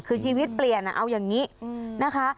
คือชีวิตเปลี่ยนเอาอย่างนี้นะคะ